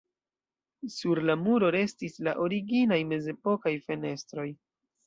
Sur la muro restis la originaj mezepokaj fenestroj.